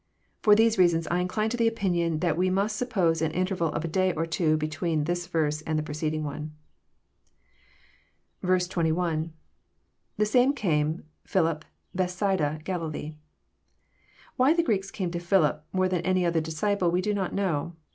For these reasons I incline to the opinion that we must suppose an interval of a. day or two between this verse and the preceding one. 21. — IThe same came.,. Philip.. .BetJisaida... Galilee.'] Why the Greeks came to Philip more than any other disciple we do not know.